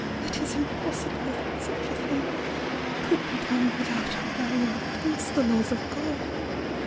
It is impossible that such a thing could be done without rebellion against the laws of God!